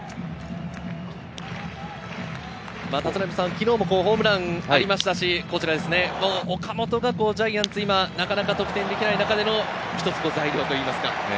昨日もホームランがありましたし、岡本がジャイアンツ、今なかなか得点できない中での一つ材料というか。